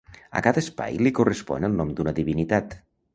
A cada espai li correspon el nom d'una divinitat.